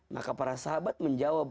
maka para sahabat menjawab